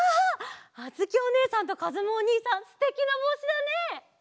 あづきおねえさんとかずむおにいさんすてきなぼうしだね。